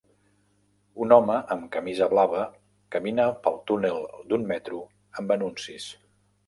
Un home amb camisa blava camina pel túnel d'un metro amb anuncis.